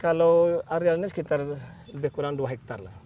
kalau area ini sekitar lebih kurang dua hektar lah